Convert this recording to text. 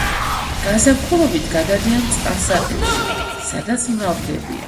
გაზაფხულობით გადადიან წყალსატევში, სადაც მრავლდებიან.